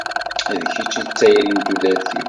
D kečč i d tayri n tudert-iw.